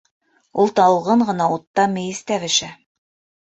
Ул талғын ғына утта мейестә бешә.